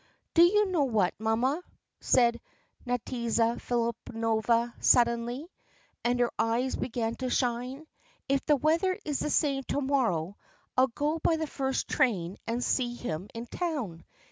... "Do you know what, mamma?" said Nadyezhda Filippovna suddenly, and her eyes began to shine. "If the weather is the same to morrow I'll go by the first train and see him in town!